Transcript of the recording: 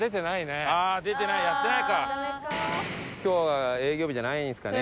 今日は営業日じゃないんですかね。